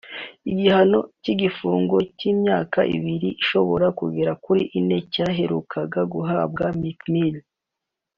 Igihano cy’igifungo cy’imyaka ibiri ishobora kugera kuri ine cyaherukaga guhabwa Meek Mill